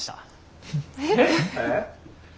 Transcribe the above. えっ！？